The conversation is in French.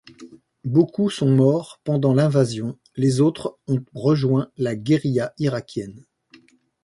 Beaucoup sont morts pendant l'invasion, les autres ont rejoint la guérilla irakienne.